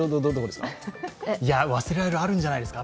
いや、忘れられるあるんじゃないですか。